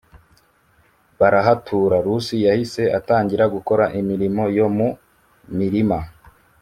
barahatura Rusi yahise atangira gukora imirimo yo mu mirima